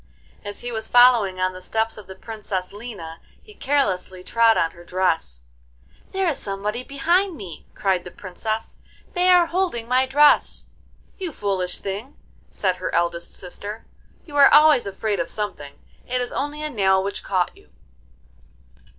As he was following on the steps of the Princess Lina, he carelessly trod on her dress. 'There is somebody behind me,' cried the Princess; 'they are holding my dress.' 'You foolish thing,' said her eldest sister, 'you are always afraid of something. It is only a nail which caught you.